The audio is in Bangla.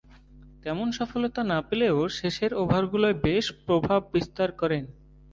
তেমন সফলতা না পেলেও শেষের ওভারগুলোয় বেশ প্রভাব বিস্তার করেন।